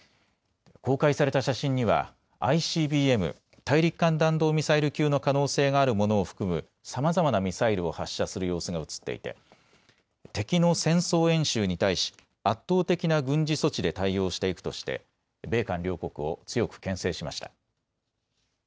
公開された写真にはＩＣＢＭ・大陸間弾道ミサイル級の可能性があるものを含むさまざまなミサイルを発射する様子が写っていて敵の戦争演習に対し圧倒的な軍事措置で対応していくとして米韓両国を強くけん制しました。